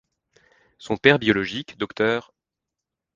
Son père biologique, Dr.